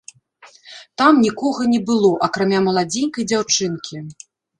Там нікога не было, акрамя маладзенькай дзяўчынкі.